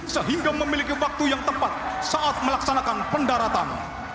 sehingga memiliki waktu yang tepat saat melaksanakan pendaratan